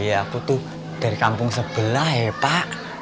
ya aku tuh dari kampung sebelah ya pak